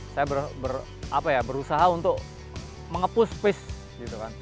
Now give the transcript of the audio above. saya berusaha untuk mengepus pace